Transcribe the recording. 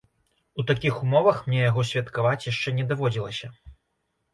У такіх умовах мне яго святкаваць яшчэ не даводзілася.